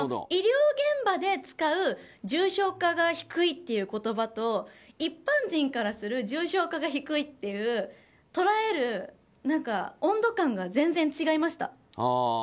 医療現場で使う重症化が低いっていう言葉と一般人からする重症化が低いっていう捉える温度感が全然違いました。